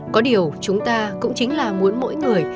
có điều chúng ta cũng chính là muốn mỗi người